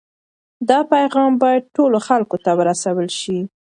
دا پیغام باید ټولو خلکو ته ورسول شي.